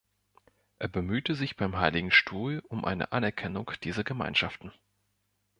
Er bemühte sich beim Heiligen Stuhl um eine Anerkennung dieser Gemeinschaften.